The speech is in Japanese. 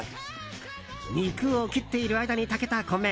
肉を切っている間に炊けた米。